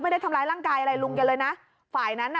ไม่ได้ทำร้ายร่างกายอะไรลุงแกเลยนะฝ่ายนั้นน่ะ